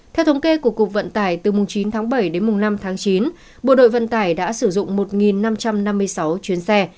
theo thống kê của cục vận tải từ mùng chín tháng bảy đến mùng năm tháng chín bộ đội vận tải đã sử dụng một năm trăm năm mươi sáu chuyến xe